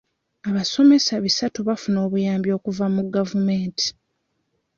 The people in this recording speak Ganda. Abasomesa bisatu baafuna obuyambi okuva mu gavumenti.